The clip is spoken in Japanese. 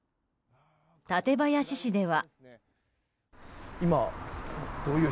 館林市では。